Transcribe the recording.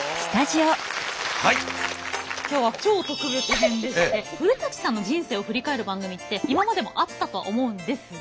今日は超特別編でして古さんの人生を振り返る番組って今までもあったとは思うんですが。